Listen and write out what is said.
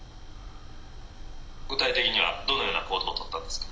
「具体的にはどのような行動をとったんですか？」。